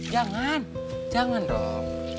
jangan jangan dong